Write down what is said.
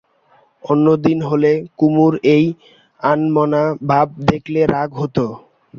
অন্য দিন হলে কুমুর এই আনমনা ভাব দেখলে রাগ হত।